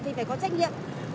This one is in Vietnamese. thì phải có trách nhiệm